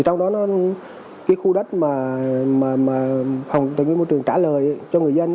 trong đó khu đất mà hồng tài nguyên môi trường trả lời cho người dân